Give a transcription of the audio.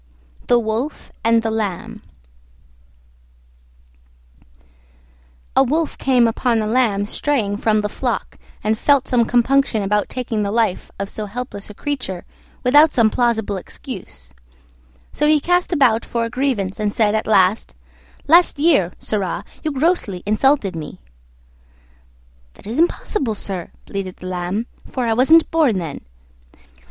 THE WOLF AND THE LAMB A Wolf came upon a Lamb straying from the flock, and felt some compunction about taking the life of so helpless a creature without some plausible excuse; so he cast about for a grievance and said at last, "Last year, sirrah, you grossly insulted me." "That is impossible, sir," bleated the Lamb, "for I wasn't born then."